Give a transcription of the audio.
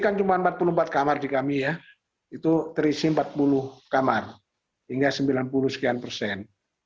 kan cuma empat puluh empat kamar di kami ya itu terisi empat puluh kamar hingga sembilan puluh sekian persen